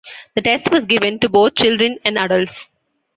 The test was given to both children and adults.